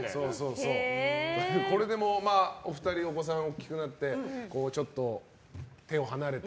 でも、お二人のお子さんが大きくなってちょっと手を離れて。